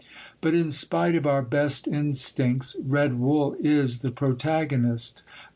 But in spite of our best instincts, Red Wull is the protagonist.